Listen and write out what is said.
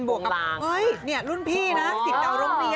วกกับเฮ้ยรุ่นพี่นะสิทธิ์เก่าโรงเรียน